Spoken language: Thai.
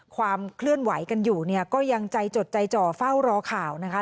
ความเคลื่อนไหวกันอยู่เนี่ยก็ยังใจจดใจจ่อเฝ้ารอข่าวนะคะ